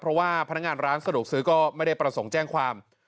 เพราะว่าพนักงานร้านสะดวกซื้อก็ไม่ได้ประสงค์แจ้งความ